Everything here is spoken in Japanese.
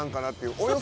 およそ。